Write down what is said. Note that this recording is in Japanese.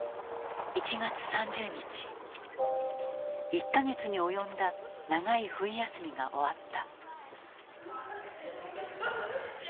１か月に及んだ長い冬休みが終わった。